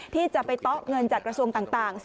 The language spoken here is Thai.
ที่จะไปต๊อกเงินจากกระทรวงต่าง